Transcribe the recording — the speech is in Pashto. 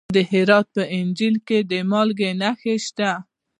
د هرات په انجیل کې د مالګې نښې شته.